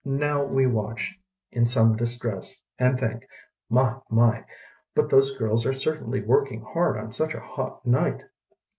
Now we watch in some distress and think, "My! My! but those girls are certainly working hard on such a hot night."